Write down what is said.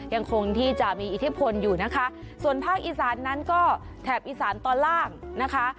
ยังคงที่จะมีอิทธิพลอยู่นะคะส่วนภาคอีสานนั้นก็แถบอีสานตอนล่างนะคะ